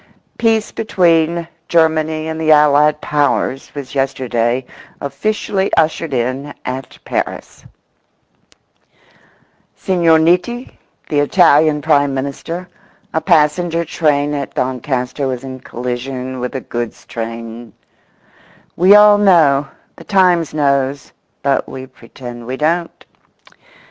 'Peace between Germany and the Allied Powers was yesterday officially ushered in at Paris—Signor Nitti, the Italian Prime Minister—a passenger train at Doncaster was in collision with a goods train…' We all know—the Times knows—but we pretend we don't."